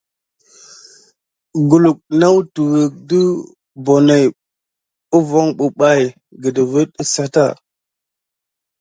Kulu na tuwunka ɗe bonoki huvon balté bebaye kidiko tiwukini.